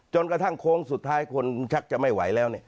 กระทั่งโค้งสุดท้ายคนชักจะไม่ไหวแล้ว